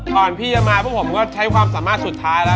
พี่จะมาพวกผมก็ใช้ความสามารถสุดท้ายแล้ว